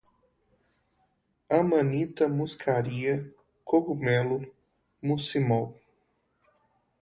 amanita muscaria, cogumelo, muscimol